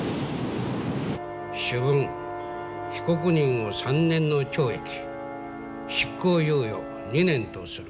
主文被告人を３年の懲役執行猶予２年とする。